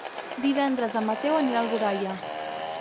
Divendres en Mateu anirà a Alboraia.